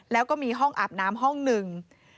แล้วก็มีห้องอาบน้ำห้องหนึ่ง